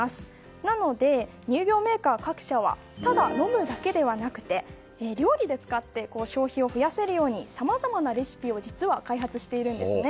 なので、乳業メーカー各社はただ飲むだけじゃなくて料理で使って消費を増やせるようにさまざまなレシピを開発しているんです。